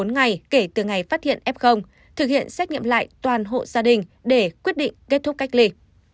bốn ngày kể từ ngày phát hiện f thực hiện xét nghiệm lại toàn hộ gia đình để quyết định kết thúc cách ly